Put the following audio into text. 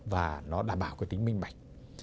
và nó đảm bảo cái tính minh bạch